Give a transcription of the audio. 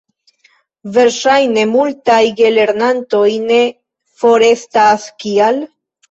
Verŝajne multaj gelernantoj ne forrestas. Kial?